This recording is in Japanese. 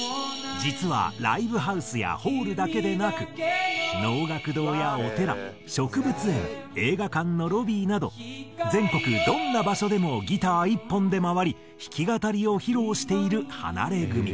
実はライブハウスやホールだけでなく能楽堂やお寺植物園映画館のロビーなど全国どんな場所でもギター１本で回り弾き語りを披露しているハナレグミ。